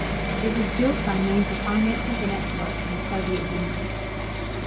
It was built by means of finances and experts from the Soviet Union.